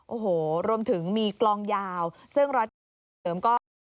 โอ้โหรวมถึงมีกลองยาวซึ่งรถเติมก็